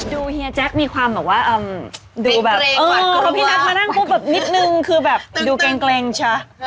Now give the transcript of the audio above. เฮียแจ๊คมีความแบบว่าดูแบบพอพี่นัทมานั่งปุ๊บแบบนิดนึงคือแบบดูเกร็งชะ